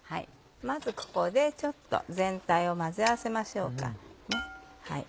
まずここでちょっと全体を混ぜ合わせましょうか。